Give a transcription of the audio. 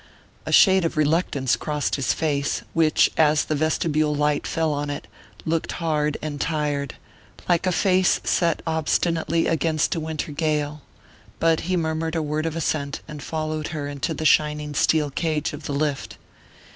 A shade of reluctance crossed his face, which, as the vestibule light fell on it, looked hard and tired, like a face set obstinately against a winter gale; but he murmured a word of assent, and followed her into the shining steel cage of the lift.